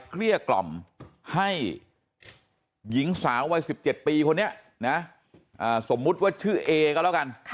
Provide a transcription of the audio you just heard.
เกลี้ยกล่อมให้หญิงสาววัย๑๗ปีคนนี้นะสมมุติว่าชื่อเอก็แล้วกัน